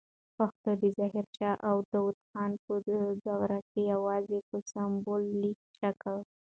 پښتو د ظاهر شاه او داود خان په دوروکي یواځې په سمبولیک شکل